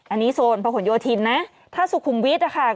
อันนี้โซนพระขนโยธินถ้าสุคุมวิทย์